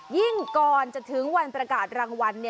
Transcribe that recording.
ยิ่งก่อนจะถึงวันประกาศรางวัลเนี่ย